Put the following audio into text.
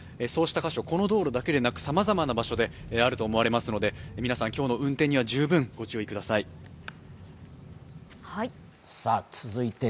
そうした箇所、この道路だけでなくさまざまな場所であると思いますので、皆さん、今日の運転には十分お気をつけください。